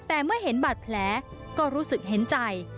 แต่เมื่อเห็นบาดแผลก็รู้สึกเห็นใจ